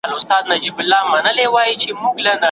جوړول د شیانو تفکیک او منظم کول دي.